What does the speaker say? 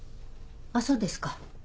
あっそうですか。